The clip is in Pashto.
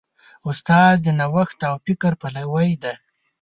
استاد د نوښت او فکر پلوی دی.